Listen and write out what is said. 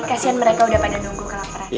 kasian mereka udah pada nunggu kelaparan